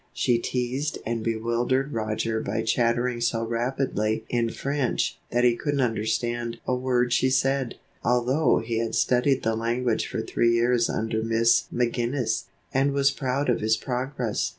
She teased and bewildered Roger by chattering so rapidly in French that he couldn't understand a word she said, although he had studied the language for three years under Miss McGinnis and was proud of his progress.